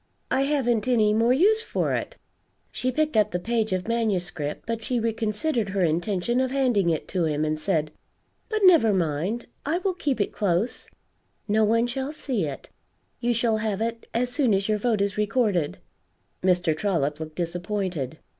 I haven't any more use for it." She picked up the page of manuscript, but she reconsidered her intention of handing it to him, and said, "But never mind; I will keep it close; no one shall see it; you shall have it as soon as your vote is recorded." Mr. Trollop looked disappointed.